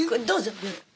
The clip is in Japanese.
どうぞ。